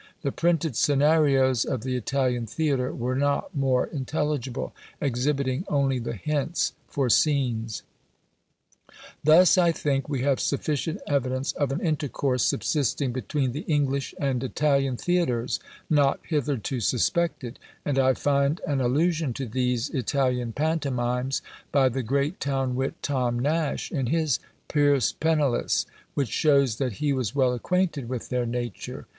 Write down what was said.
The printed scenarios of the Italian theatre were not more intelligible; exhibiting only the hints for scenes. Thus, I think, we have sufficient evidence of an intercourse subsisting between the English and Italian theatres, not hitherto suspected; and I find an allusion to these Italian pantomimes, by the great town wit Tom Nash, in his "Pierce Pennilesse," which shows that he was well acquainted with their nature.